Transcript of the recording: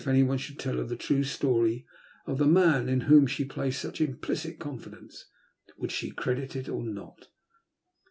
anyone should tell her the true history of the man in whom she placed such implicit confidence. Would she credit it or not